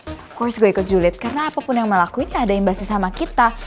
of course gue ikut julid karena apapun yang mel lakuin ada yang basis sama kita